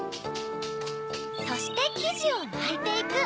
そしてきじをまいていく。